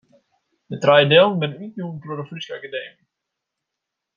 De trije dielen binne útjûn troch de Fryske Akademy.